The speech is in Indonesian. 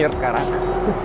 oke ini ada tekanannya